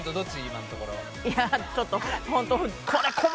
いやちょっとホント。